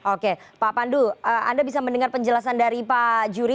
oke pak pandu anda bisa mendengar penjelasan dari pak juri